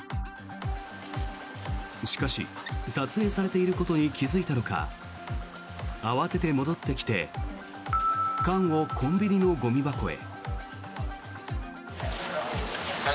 しかし、撮影されていることに気付いたのか慌てて戻ってきて缶をコンビニのゴミ箱へ。